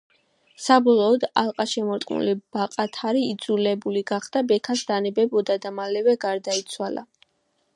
საბოლოოდ, ალყაშემორტყმული ბაყათარი იძულებული გახდა ბექას დანებებოდა და მალევე გარდაიცვალა.